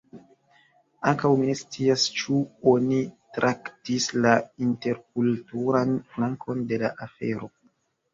Ankaŭ mi ne scias ĉu oni traktis la interkulturan flankon de la afero.